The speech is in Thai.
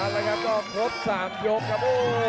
แล้วครับก็ครบ๓ยกครับ